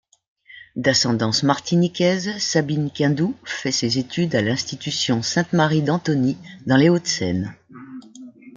D'ascendance martiniquaise, Sabine Quindou fait ses études à l'Institution Sainte-Marie d'Antony, dans les Hauts-de-Seine.